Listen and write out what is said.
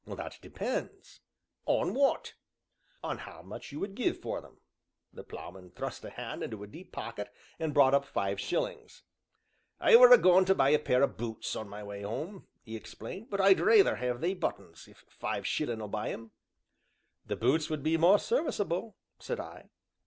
"That depends!" "On what?" "On how much you would give for them." The Ploughman thrust a hand into a deep pocket, and brought up five shillings. "I were a goin' to buy a pair o' boots, on my way 'ome," he explained, "but I'd rayther 'ave they buttons, if five shillin' 'll buy 'em." "The boots would be more serviceable," said I.